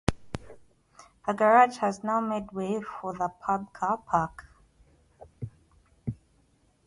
The garage has now made way for the pub car park.